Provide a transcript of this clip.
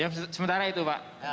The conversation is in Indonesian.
ya sementara itu pak